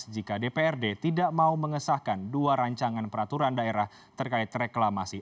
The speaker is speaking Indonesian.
jika dprd tidak mau mengesahkan dua rancangan peraturan daerah terkait reklamasi